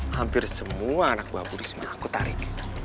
hampir semua anak buah budisma aku tarik